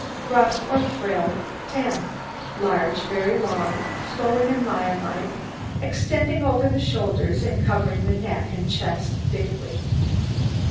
RUFF OR FRILL 10 Large, very long, flowing, and lion like, extending over the shoulders, and covering the neck and chest thickly.